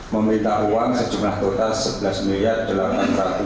meminta uang sejumlah total rp sebelas delapan ratus